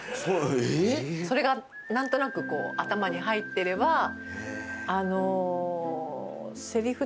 それが何となく頭に入ってれば。